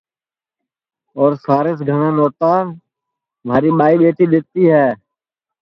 اور سارے سے گھٹؔا نوتا مہاری ٻائی ٻیٹی دؔیتی ہے